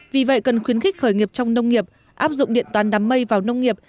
vì vậy cần khuyến khích khởi nghiệp trong nông nghiệp áp dụng điện toán đám mây vào nông nghiệp